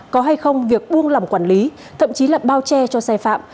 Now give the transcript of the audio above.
có hay không việc buông lòng quản lý thậm chí là bao che cho xe phạm